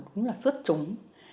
đúng là xuất trúng